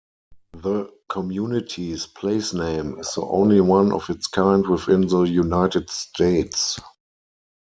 The community's placename is the only one of its kind within the United States.